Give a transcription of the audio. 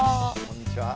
こんにちは。